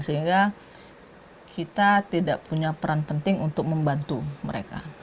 sehingga kita tidak punya peran penting untuk membantu mereka